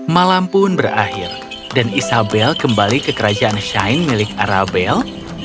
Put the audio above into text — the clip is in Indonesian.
malam pun berakhir dan isabel kembali ke kerajaan shine milik arabel